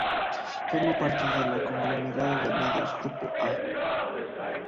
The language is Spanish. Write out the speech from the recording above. Forma parte del conglomerado de medios "Grupo A".